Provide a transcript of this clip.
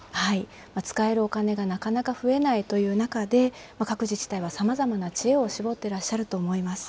使えるお金が、なかなか増えないという中で、各自治体はさまざまな知恵を絞ってらっしゃると思います。